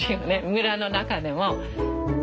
村の中でも。